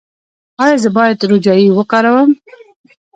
ایا زه باید روجايي وکاروم؟